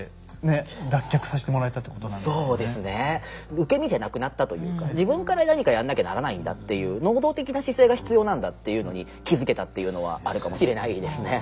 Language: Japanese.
受け身じゃなくなったというか自分から何かやんなきゃならないんだっていう能動的な姿勢が必要なんだっていうのに気付けたっていうのはあるかもしれないですね。